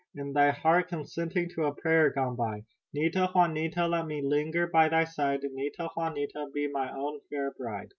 In thy heart consenting to a prayer gone by! Nita! Juanita! Let me linger by thy side. Nita! Juanita! Be my own fair bride."